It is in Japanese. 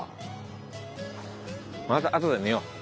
またあとで見よう。